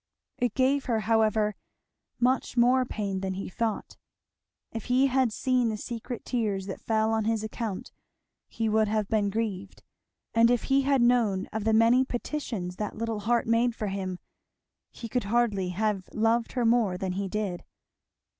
It gave her however much more pain than he thought. If he had seen the secret tears that fell on his account he would have been grieved; and if he had known of the many petitions that little heart made for him he could hardly have loved her more than he did.